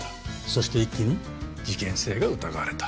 そして一気に事件性が疑われた。